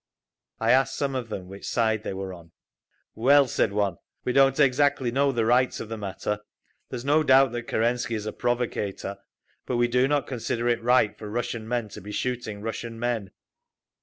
I asked some of them which side they were on. "Well," said one, "we don't exactly know the rights of the matter…. There is no doubt that Kerensky is a provocator, but we do not consider it right for Russian men to be shooting Russian men."